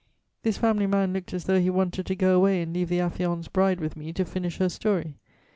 This family man looked as though he wanted to go away and leave the affianced bride with me to finish her story.